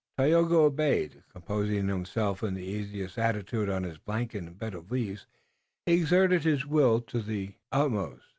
Tayoga obeyed, composing himself in the easiest attitude on his blanket and bed of leaves, and he exerted his will to the utmost.